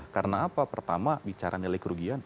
karena apa pertama bicara nilai kerugian